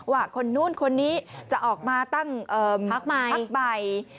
ว่าคนนู้นคนนี้จะออกมาตั้งพักใหม่